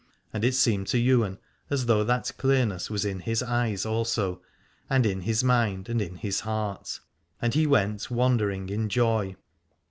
And it seemed to Ywain as though that clearness was in his eyes also, and in his mind and in his heart : and he went wander ing in joy.